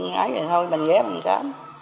ngay vậy thôi mình ghé mình khám